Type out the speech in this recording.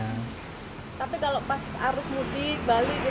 tapi kalau pas arus mudik balik